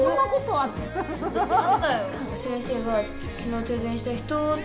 あったよ。